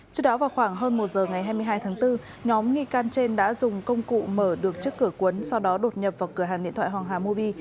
trước đó vào khoảng hơn một giờ ngày hai mươi hai tháng bốn nhóm nghi can trên đã dùng công cụ mở được trước cửa cuốn sau đó đột nhập vào cửa hàng điện thoại hoàng hà mobi